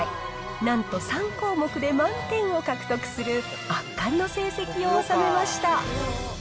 なんと３項目で満点を獲得する、圧巻の成績を収めました。